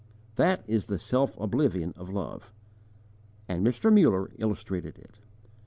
That is the self oblivion of love. And Mr. Muller illustrated it.